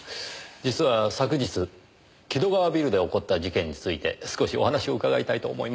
実は昨日きどがわビルで起こった事件について少しお話を伺いたいと思いまして。